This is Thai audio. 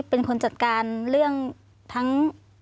เป็นคนจัดการเรื่องทั้ง